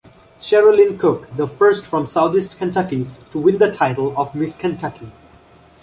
Chera-Lyn Cook, the first from Southeast Kentucky to win the title of Miss Kentucky.